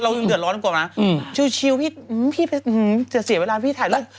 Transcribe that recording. เรายังเดือดร้อนกว่านั้นชิลล์พี่เสียเวลาพี่ถ่ายเรื่อง